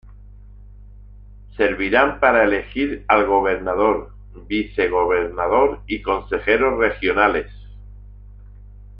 Servirán para elegir al gobernador, vicegobernador y consejeros regionales.